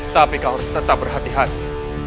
tapi kau harus tetap berhati hati